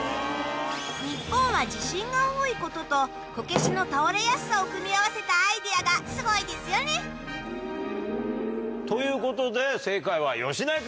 日本は地震が多いこととこけしの倒れやすさを組み合わせたアイデアがすごいですよね。ということで正解は芳根君！